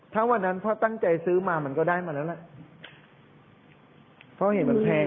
ถ้าวันนั้นพ่อตั้งใจซื้อมามันก็ได้มาแล้วแหละเพราะเห็นมันแพง